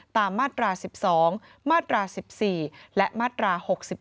ตามมาตรา๑๒มาตรา๑๔และมาตรา๖๗